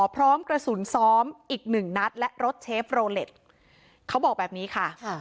พร้อมกระสุนซ้อมอีกหนึ่งนัดและรถเชฟโรเล็ตเขาบอกแบบนี้ค่ะ